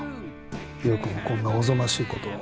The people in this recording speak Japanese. よくもこんなおぞましい事を。